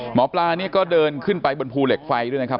หมอปลานี่ก็เดินขึ้นไปบนภูเหล็กไฟด้วยนะครับ